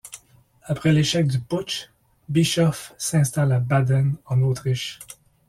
Après l'échec du putsch, Bischoff s'installe à Baden, en Autriche.